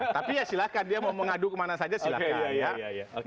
tapi ya silahkan dia mau mengadu kemana saja silahkan